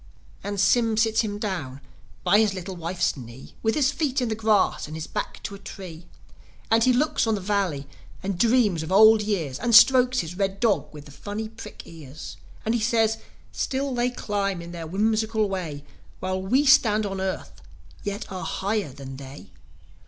And Sym sits him down by his little wife's knee, With his feet in the grass and his back to a tree; And he looks on the Valley and dreams of old years, As he strokes his red dog with the funny prick ears. And he says, "Still they climb in their whimsical way, While we stand on earth, yet are higher than they.